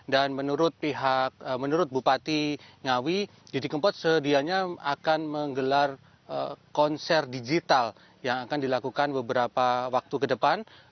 dan menurut bupati ngawi didi kempot sedianya akan menggelar konser digital yang akan dilakukan beberapa waktu ke depan